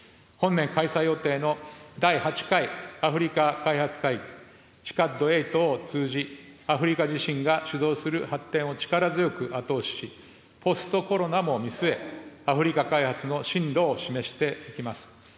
本年開催予定の第８回アフリカ開発会議・ＴＩＣＡＤ８を通じ、アフリカ自身が主導する発展を力強く後押しし、ポストコロナも見据え、アフリカ開発の針路を示していきます。